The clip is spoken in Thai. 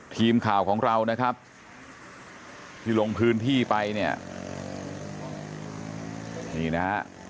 ทีมข่าวของเรานะครับที่ลงพื้นที่ไปเนี่ยนี่นะฮะ